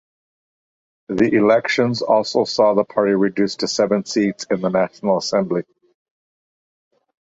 The elections also saw the party reduced to seven seats in the National Assembly.